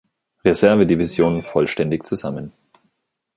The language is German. Reserve-Division vollständig zusammen.